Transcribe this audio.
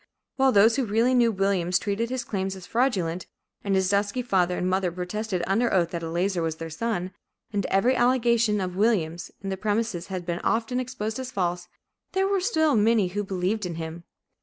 While those who really knew Williams treated his claims as fraudulent, and his dusky father and mother protested under oath that Eleazar was their son, and every allegation of Williams, in the premises, had been often exposed as false, there were still many who believed in him.